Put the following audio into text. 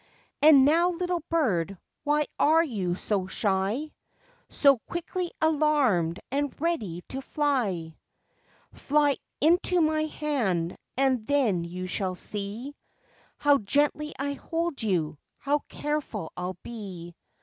"And now little bird why are you so shy, So quickly alarmed and ready to fly, Fly into my hand and then you shall see How gently I'll hold you, how careful I'll be."